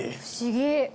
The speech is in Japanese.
不思議。